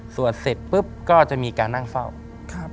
สวดเสร็จปุ๊บก็จะมีการนั่งเฝ้า